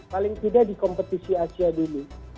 paling tidak di kompetisi asia dulu